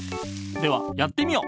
ではやってみよ。